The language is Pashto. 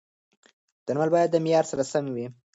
درمل باید د معیار سره سم وي.